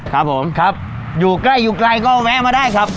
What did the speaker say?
ครับผมครับอยู่ใกล้อยู่ไกลก็แวะมาได้ครับ